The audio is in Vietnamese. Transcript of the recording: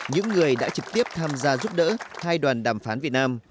những người đã trực tiếp tham gia giúp đỡ hai đoàn đàm phán việt nam